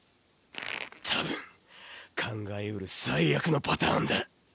多分考え得る最悪のパターンだ。